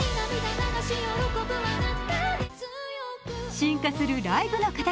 進化するライブの形。